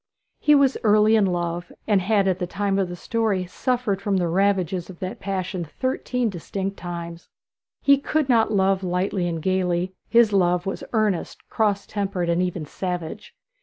He was early in love, and had at the time of the story suffered from the ravages of that passion thirteen distinct times. He could not love lightly and gaily; his love was earnest, cross tempered, and even savage.